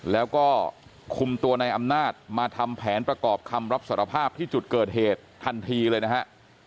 แล้วก็คุมตัวในอำนาจมาทำแผนประกอบคำรับสารภาพที่จุดเกิดเหตุทันทีเลยนะฮะ